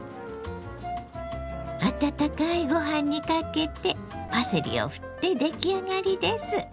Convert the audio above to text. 温かいご飯にかけてパセリをふって出来上がりです。